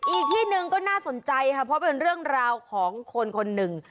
อีกที่หนึ่งก็น่าสนใจค่ะเพราะเป็นเรื่องราวของคนคนหนึ่ง